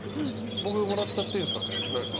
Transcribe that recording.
僕もらっちゃっていいんですなんですか？